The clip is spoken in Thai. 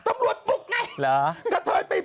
เตอร์ฮ่าตำรวชปุกไงกะเทยไปป